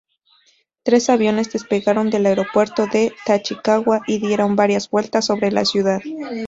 Tres aviones despegaron del aeropuerto de Tachikawa y dieron varias vueltas sobre la ciudad.